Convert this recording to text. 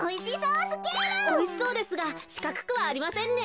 おいしそうですがしかくくはありませんね。